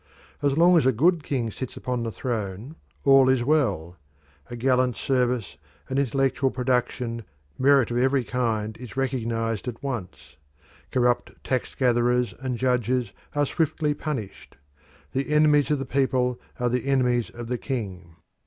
As long as a good king sits upon the throne all is well. A gallant service, an intellectual production, merit of every kind is recognised at once. Corrupt tax gatherers and judges are swiftly punished. The enemies of the people are the enemies of the king.